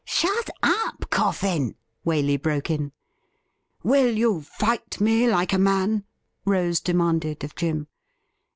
' Shut up. Coffin !' Waley broke in. ' Will you fight me like a m9,n .?' Rose demanded of Jim.